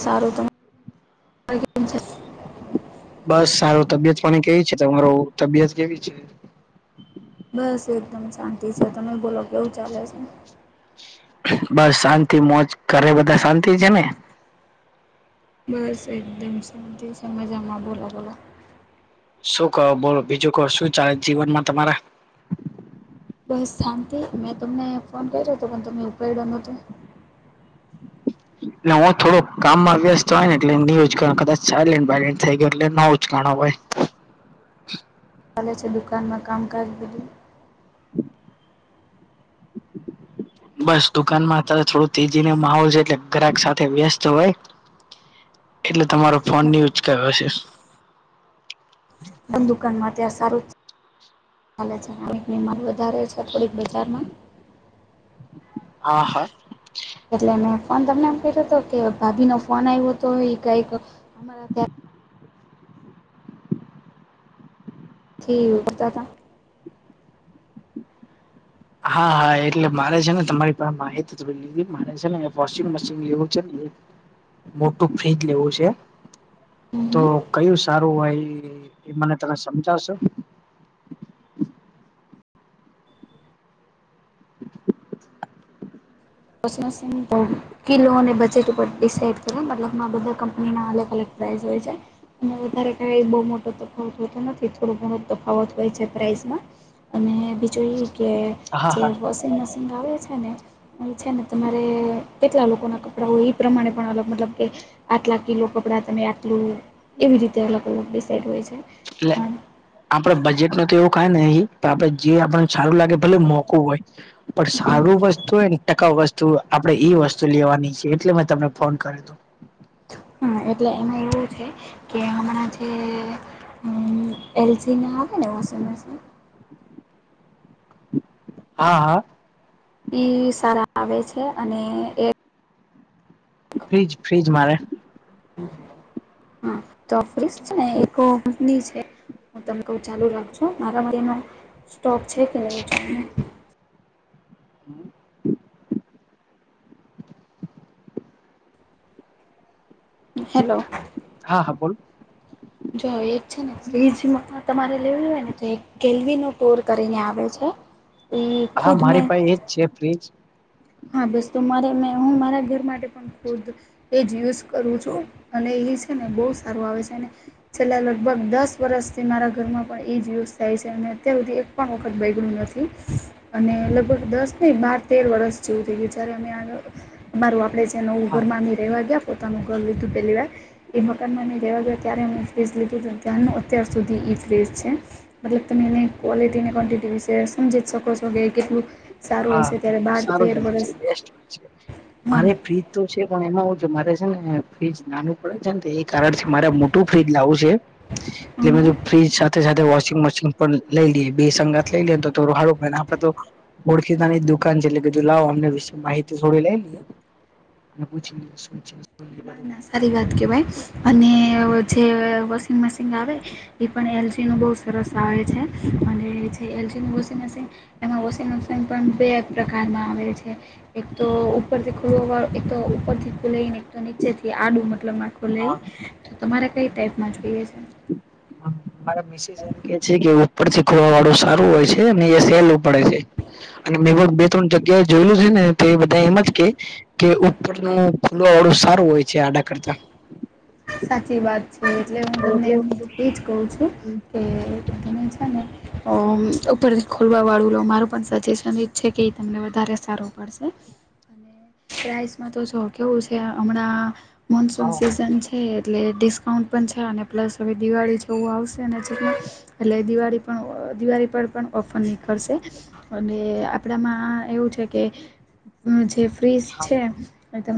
સારું ત કેમ છે? બસ સારું તબિયત પાણી કેવી છે તમાર તબિયત કેવી છે બસ એકદમ શાંતિ છે તમે બોલો કેવું ચાલે છે બસ શાંતિ મોજ ઘરે બધા શાંતિ છે ને બસ [unintelligible] એક દમ શંત છે મજામાં કો બોલો કહો શું ચાલે જીવનમાં તમારા બસ શાંતિ મેં તમને ફોન કર્યો હતો પણ તમે ઉપાડ્યો નહોતો એટલે હું થોડું કામમાં વ્યસ્ત હોય ને એટલે ન કદાચ સાલેન્ટ બાયલેન્ટ થઈ ગયો એટ ન ઊંચકણો હોય કેવું ચલે છે દુકાનમાં કામકાજ દું બસ દુકાનમાં અત્યારે થોડો તેજી નો માહોલ છે એટલે ગ્રહક સાથે વ્યસ્ત હોય એટલે તમારો ફોન ની ઉચકાયો હશે દુકાનમાં ત્યાં સારું જ ચાલે છે તેજી વધારે છે થોડીક બજારમાં હા હા એટલે મેં ફોન તમને એમ કર્યો હતો કે ભાભી નો ફોન આવ્યો હતો કઈક અમારા ત્યાં [unintelligible] ઠીક દાદા હા હા એટલે મારે છે ને તમારી માહિતી થડી મારે છે ને વોશિંગ મશીન લવું છે ને મોટું ફ્રીઝ લેવું છે હમ્મ તો હમ્મ. કયું સારું હોય એ મને તને સમજાવશો [inaudible] પ્રશન સન બહુ [unintelligible] કિલો અને બજેટ ઉપર ડિસઇડ કરે મતલબમાં બધા કંપનીના અલગ અલગ પ્રાઇસ હોય છે અને વધારે કંઈ બહુ મોટો તફાવત હોતો નથી થોડો ઘણો તફાવત હોય છે પ્રાઇસમાં અને બીજું એ કે હા જે હા વોશિંગ મશીન આવે છે ને છે ને તમારે કેટલા લોકો ના કપડા હોય એ પ્રમાણે પણ અલગ અલગ મતલબ કે આટલા કિલ્લો કપડાં તમે આટલું એવી રીતે અલગ અલગ ડિસાઇડ હોય છે એટલે આપડે બજેટ ન તો એવું કાય નેય આપડે. સારું લાગે ભલે મોઘુ હોય પણ સારું વસ્તુ હોયને ટકાઉ વસ્તુ આપડે એઈ વસ્તુ લેવાની છે એટલે મેં તમને ફોન કર્યો તો એટલે એમાં એવું છે કે હમણાં જે એલ જીને હવાને [inaudible] [inaudible] હું છે મ છે હા હા ઈ સારા આવે છે અને એક ફ્ર્રીજ ફ્રીજ મારે હા તો [unintelligible] છે ને એક કંપની છે. હું તમને કહું ચાલુ રાખજો મારા [unintelligible] સ્ટોક છે [unintelligible] હમ હેલો હા હા બોલ જો એક છે ને ફ્રીજી મા કાન તમારે લેવું હોય ને તો એક કેલવીનેટર પૂર કરીને આવે છે. એ હા ખુદ મારી મેં પાસે એજ છે ફ્રીજ હા બસ તો મારે મે હું મારા ઘર માટે પણ ખુદ એ જ યુઝ કરું છું અને એ છે ને બહુ સારું આવે છે અને છેલ્લા લગભગ દસ વર્ષથી મારા ઘરમાં પણ એ જ યુઝ થાય છે. અને અત્યાર સુધી એક પણ વખત બગડ્યું નથી અને લગભગ દસ ને બાર તેર વરષ [unintelligible] વિચારોને આગળ મારું આપડે જે નવું હા. ઘર માંને તેના આગળ પોતાનું ઘર લીધું પહેલા એ મકાનમાં અમેં રેવા ગયા ત્યારનુ એ ફ્રીઝ લીધું ત્યાંનું અત્યાર સુધી એ ફ્રીઝ છે. મતલબ તમે એને ક્વોલિટીને ક્વોન્ટિટી વિશે સમજી જ શકો છો એ કે કેટલું સારું હશે ત્યાર બાદ એ કંપની છે બેસ્ટ હોઇ હં છે [unintelligible] પણ એમાં મારે છે ને ફ્રીજ નાનું પડે છેને એ કારણ મારે મોટું ફ્રીજ લાવું છે. એટલે હં મે ફ્રીજ સાથે સાથે વોશિંગ મશીન પણ લઈ લઈએ બે સંગાત લઈ લઈ તો થોડું હારું આપે તો ઓળખી તાની દુકાન છે એટલે બીધું લાવો અમને વિશે માહિતી થોડી લે પૂછી [unintelligible] [unintelligible] ના ના સારી વાત કેવાય અને જે વોશિંગ મશીન આવે એ પણ એલજીનું બોવ સરસ આવે છે અને જે એલજીનું મશીન એમાં વોશિંગનું પણ બે પ્રકારમાં આવે છે એક તો ઉપર [unintelligible] વા એક તો ઉપર થી ખુલે ને એક તો નીચે થી આડુ મતલબ ખુલે હા તો તમારે કઈ ટાઈપમાં જોઈએ છે. મારા મિસીસ એમ કે છે કે ઉપર થી ખોલવા વાળું સારું હોય છે ને [unintelligible] પડે છે અને મ બે ત્રણ જગ્યાએ જોયેલું છે ને તે બધા એમ જ કે કે ઉપરનું ખુલવાળું સારું હોય છે આના કરતા સાચી વાત છે એટલે હું તમને એજ કહું છું કે તમે છે ને [unintelligible] [inaudible] ઉપરથી ખોલવા વાળું લો મારું પણ સજેશન એ જ છે કે એ તમને વધારે સારું પડશે. [unintelligible] પ્રાઈઝનુ તો શુ કેવું હમણાં હા મોનસૂન સિઝન છે એટલે ડિસ્કાઉન્ટ પણ છે અને પ્લસ હવે દિવાળી જવું આવશે ને જેટલે એટલે દિવાળી પણ દિવાળી પર પણ ઓફર નીકળશે અને આપડામાં એવું છે કે જે ફ્રીઝ હા છે એ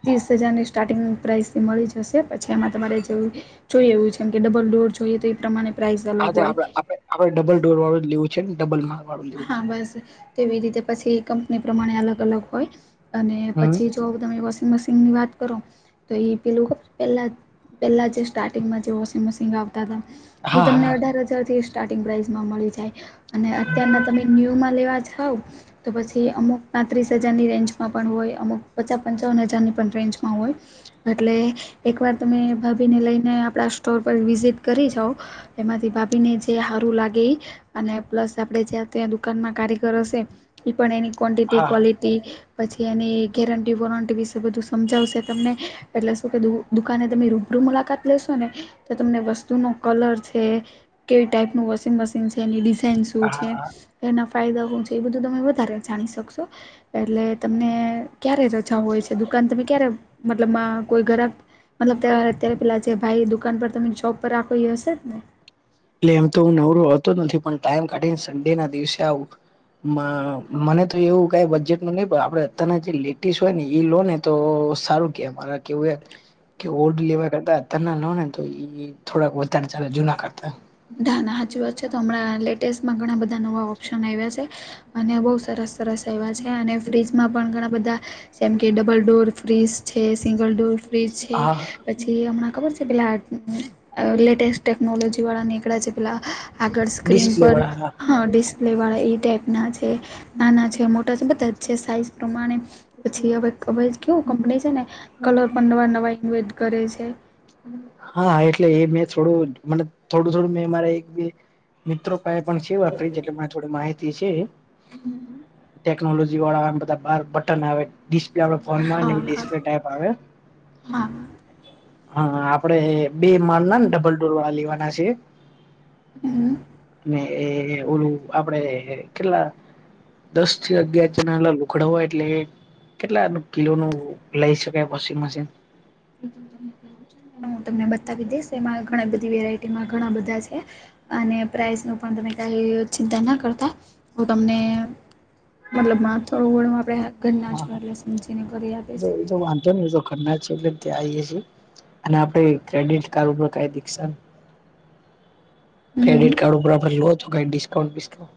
[unintelligible] વીસ હજારની સ્ટાર્ટિંગ પ્રાઇસથી મળી જશે પછી એમાં તમારે જેવું જોઈ એવું છેમ કે ડબલ ડોર જોઈએ તો એ પ્રમાણે પ્રાઇસ અલગ આજ હોય આપ આપે આપડે ડબલ ડોર વાળું લેવું છે ને ડબલ મા હા બસ તેવી રીતે પછી કંપની પ્રમાણે અલગ અલગ હોય અને હમ્મ પછી જો તમે વોશિંગ મશીન ની વાત કરો તો એ પેલું ખબર પેલા પેલા જે સ્ટાર્ટિંગમાં જે વોશિંગ મશીન આવતા હતા એ હા તમને હા અઢાર હજાર સ્ટાટિન્ગ થી પ્રઇઝ મળી જાય અને અત્યારના તમે ન્યૂમાં લેવા જાવ તો પછી અમુક પાંત્રીસ હજારની રેન્જમાં પણ હોય અમુક પચાસ પંચાવન હજારની પણ રેન્જમાં હોય એટલે એકવાર તમે ભાભીને લઈને આપણા સ્ટોર પર વિઝિટ કરી જાાવ એમાંથી ભાભીને જે સારું લાગે એ અને પ્લસ આપડે જ્યાં ત્યાં દુકાનમાં કારીગર હશે એ પણ એની ક્વન્ટિટી હા ક્વોલિટી પછી એની ગેરંટી વોરંટી વિશે બધું સમજાવશે તમને શું દુકાને તમે રૂબરૂ મુલાકાત લેશો ને તો તમને વસ્તુ નો કલર છે કેવી ટાઈપનું વોશિંગ મશીન છે એની ડિઝાઇન શું હા છે હા એના ફાયદા શું છે એ બધું તમે વધારે જાણી શકશો એટલે તમને ક્યારે ર ઓછા હોય છે દુકાન તમે ક્યારે મતલબ કોઈ ઘરા મતલબ ત અત્યારે પેલા જે ભાઈ દુકાન પર તમે જોપ પર રાખો હશે ને. એટલે એમ તો હું નવરો હોતો નથી પણ ટાઈમ કાઢીને સડે ના દિવસે આવું. મને તો એવું કઈ બજેટ ન નઈ આપડે અત્યાર જે લેટેસ્ટ હોય ને એ લોન તો સારું કે મારા કેવું એ. કે ઓલડ લેવા કરતા અત્યાર ના લો ને તો થોડાક વધારે ચલે જૂના કરતા ના ના સાચી વાત છે તો હમણાં લેટેસ્ટમાં ઘણા બધા નવા ઓપ્શન આવ્યા છે. અને બહ સરસ સરસ એવા છે અને ફ્રીજમાં પણ ઘણા બધા જેમ કે double door double door fridge છે સિંગલ ડોર ફ્રીજ છે. હા પછી હમણાં ખબર છે પેલા લેટેસ્ટ ટેકનોલોજી વાળા નીકળ્યા છે પેલા અગળ સ્ક્રીન ડિસ્પ્લે પર વાળા હા ડિસ્ક લેવાળા એ ટાઈપ ના છે નાના છે મોટા છે બધા જ છે સાઈઝ પ્રમાણે પછી હવે હવે કેવું કંપની છે ને કલર પણ નવા નવા ઇન્વેટ કરે છે. હા એટલે એ મેં થોડું મ થોડું થોડું મેં મારે એક મિત્રો કસે પણ છે વાત કરી એટલે માર થોડી માહિતી છે ટેકનોલોજી વાળા બધા બાર બટન આવે ડિસ્પ્લે આવે ફોન માં હા એવી હા ડિસ્પ્લે ટાઈપ આવે હા હા આપડે બે માલ ના ને ડબલ ડોર વાળા લેવાના છે. હમ આપડે કેટલા દસ થી અગયાર જણા એલા લુખડવ હોય એટલે કેટલા કિલો ન લઈ શકાય વોશિંગ મશીન. હ. હમ. હું તમને બતાવી દઈશ એમાં ઘણી બધી વેરાયટીમાં ઘણા બધા છે અને પ્રાઈઝ નું પણ તમે કઈ ચિંતા ના કરતા હ તમને મતલબ માથોડું વડું આપણેે ઘરના જ વાલા સમજીને કરી આપ છે. જો ને ઘર છે એટલે તો ત્યાં આઇએ છે. અને આપડ ક્રેડિટ કાર્ડ ઉપર કઈ દીશ. હમ ક્રેડિટ્ડ ઉપર જો લો તો કઈ ડિસ્કાઉન્ટ બિસ્કાઉન્ટ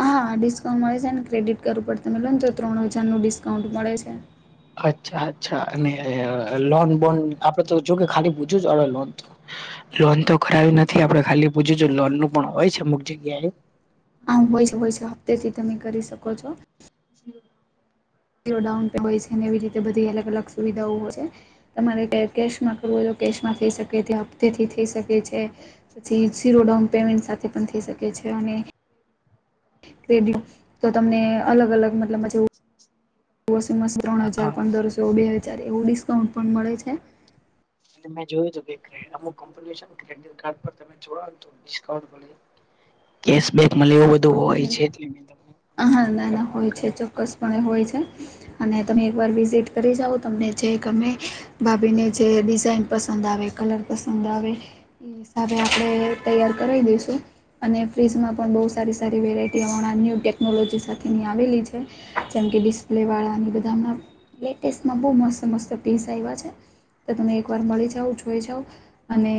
હા હા ડિસ્કાઉન્ટ મળે છે ને ક્રેડિટ કાર્ડ ઉપર તમે લો ને તો ત્રણ હજારનું ડિસ્કાઉન્ટ મળે છે. અચ્છા અચ્છા અને લોન બોન આપડે તો જો કે ખાલી પૂછું છું લોન તો લોન તો કરાયું નથી આપડે ખાલી પૂછું લોનનું પણ હોય છે અમુક જગ્યાએ. હોય હોય છે હપ્તેથી તમે કરી શકો છો. હમ. ઝીરો ડાઉન પ હોય છે ને એવી રીતે બધી અલગ અલગ સુવિધાઓ હોય છે. તમારે કેશમાં કરવું કેશમાં થઈ શકે તે હપતીથી થઈ શકે છે. પછી ઝીરો ડાઉન પેમેન્ટ સાથે પણ થઈ શકે છે અને ક્રેડિટ તો તમને અલગ અલગ મતલબ, વોશિંગ મશીન ત્રણ હજાર હા પંદર સ તો બે હજાર એવું ડિસ્કાઉન્ટ પણ મળે છે. એટલે મેં જોયું તું કે અમુક કંપનીઓ છે ને ક્રેડિટ કાર્ડ તમે જોડનું તો ડિસ્કાઉન્ટ મળે કેશબેક મલે એવું બધું હોય છે હા ના એટલે [inaudible] ના ફોન હોય છે કર્યો. ચોક્કસપણે હોય છે અને તમે એકવાર વિઝિટ કરી જાઓ તમને છે ગમે ભાભીને જે ડિઝાઇન પસંદ આવે કલર પસંદ આવે એ હિસાબે આપણે તૈયાર કરાઈ દઈશું અને ફ્રીજમાં પણ બહુ સારી સારી વેરાયટી હમણાં ન્યૂ ટેકનોલોજી સાથેની આવેલી છે. જેમ કે ડિસ્પ્લે વાળાની બધામાં લેટેસ્ટમાં બહુ મસ્ત-મસ્ત પીસ આવ્યા છે. તો તમે એકવાર મળી જાઓ, જોઈ જાઓ અને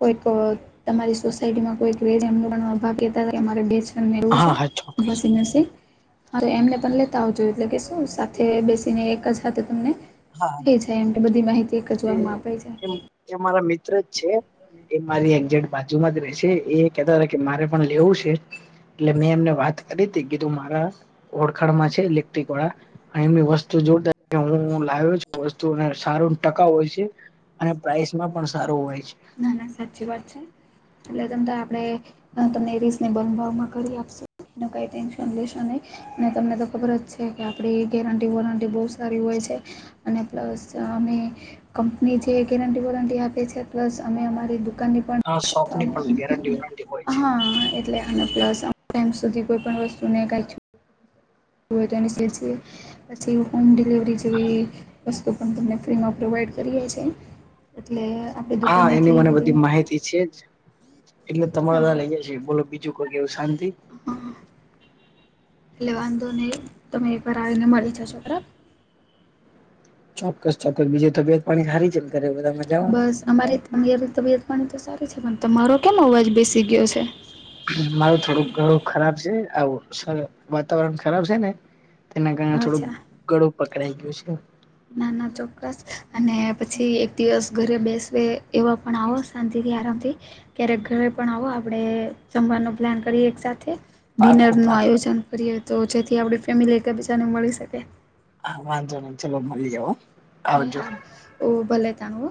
કોઈક અહ તમારી સોસાયટીમાં કોઈક [unintelligible] રેય છે એમનું પણ આમ કહેતા હતા કે અમારે. [unintelligible] એમને [inaudible] વું હા છે હા ચોક્કસ વોશિંગ મશીન. હા તો એમને પણ લેતા આવજો એટલે કે શું સાથે બેસીને એક જ હાથે તમને- હા થઈ જાય એમ કે બધી માહિતી એક જ એ વારમાં અપાઈ જાય. એ અમારા મિત્ર જ છે. એ મારી એક્જેક્ટ બાજુમાં જ રે છે એ કેતા કે મારે પણ લેવું છે. એટલે મેં એમને વાત કરી હતી કીધું મારા ઓળખાણ માં છે ઇલેક્ટ્રિક વાળા એમની વસ્તુ જોતા હુ લાવ્યો છું એ વસ્તુ સારો ટકાઉ હોય છે. અને પ્રાઇસ માં પણ સારું હોય છે. ના ના સાચી વાત છે. એટલે તમ તો આપણે તમને રીઝનેબલ ભાવમાં કરી આપશે, ને કાઈ ટેન્શન લેશો નહી. અને તમને તો ખબર જ છે કે આપડી ગેરંટી વોરંટી બહુ સારી હોય છે. અને પ્લસ અમે કંપની જે ગેરંટી વોરંટી આપે છે પ્લસ અમે અમારી દુ દુકાનની પણ આ શોપની પણ ગેરંટી વોરંટી હોય છે. હા એટ એટલે અને પ્લસ આપણે એમ સુધી કોઈ પણ વસ્તુ ને કાંઈ થી યુ હોય તો સેજયે પછી હોમ ડિલિવરી જેવી વસ્તુ પણ તમને ફ્રીમાં પ્રોવાઈડ કરીએ છીએ. એટલે આપણી હા એની દુકાનેથી મને બધી માહિતી છે જ એટલે હા તમારા લઈ જશે બોલો બીજું કોઈ કેવું શાંતિ. [inaudible] ‌. હા એટલે વાંધો નહીં તમે એક વાર આવીને મળી જશો બરાબ ચોક્કસ-ચોક્કસ બીજું તબિયત-પાણી હારી છે ઘરે બધાય મ બસ અમારી તમારી તબિયત-પાણી તો સારી છે પણ તમારો કેમ અવાજ બેસી ગિયો છે. મારું થોડું ગળું ખરાબ છે આવું સર વાતાવરણ ખરાબ છે ને તેના કારણે થોડુંક અચ્છા ગળું પકડાઈ ગિયું છે. નાના ચોક્કસ અને પછી એક દિવસ ઘરે બેસવે એવા પણ આવો શાંતિથી આરામથી ક્યારેક ઘરે પણ આવો આપણે જમવાનું પ્લાન કરીએ એક સાથે ડિનર પાકું નું પાકું આયોજન કરીએ તો જેથી આપણે ફેમિલી કેપચને એક બીજાને મળી શકે. હા વાંધો નઈ ચલો મલીએ હો. એ હા ઓ ભલે તાનુ હો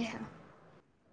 એ હા.